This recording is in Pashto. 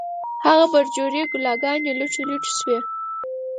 هغه برجورې کلاګانې، لوټې لوټې شوې